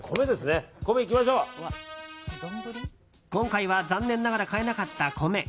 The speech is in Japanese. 今回は残念ながら買えなかった米。